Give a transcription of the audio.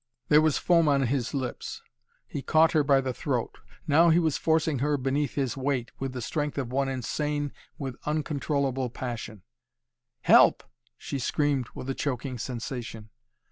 There was foam on his lips. He caught her by the throat. Now he was forcing her beneath his weight with the strength of one insane with uncontrollable passion. "Help!" she screamed with a choking sensation.